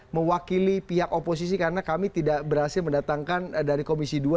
mewakili pihak oposisi karena kami tidak berhasil mendatangkan dari komisi dua